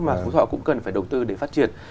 mà phú thọ cũng cần phải đầu tư để phát triển